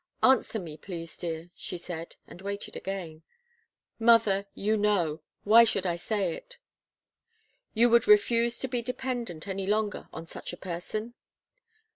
"Answer me, please, dear," she said, and waited again. "Mother you know! Why should I say it?" "You would refuse to be dependent any longer on such a person?"